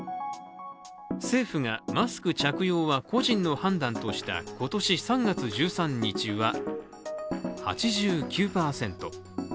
政府がマスク着用は個人の判断とした今年３月１３日は、８９％。